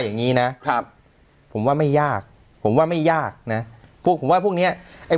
อย่างงี้นะครับผมว่าไม่ยากผมว่าไม่ยากนะพวกผมว่าพวกเนี้ยไอ้